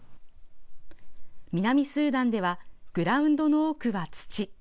南スーダンでは、グラウンドの多くは土。